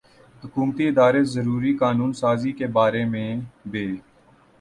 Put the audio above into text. حکومتی ادارے ضروری قانون سازی کے بارے میں بے